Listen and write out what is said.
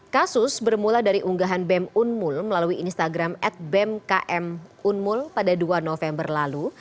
kasus bermula dari unggahan bem unmul melalui instagram at bemkm unmul pada dua november lalu